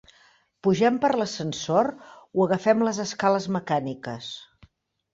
Pugem per l'ascensor o agafem les escales mecàniques?